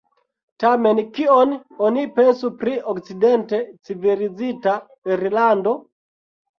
Tamen kion oni pensu pri okcidente civilizita Irlando?